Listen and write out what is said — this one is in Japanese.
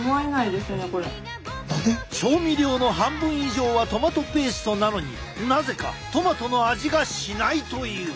調味料の半分以上はトマトペーストなのになぜかトマトの味がしないという！